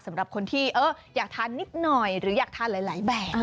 สำหรับคนที่อยากทานนิดหน่อยหรืออยากทานหลายแบบ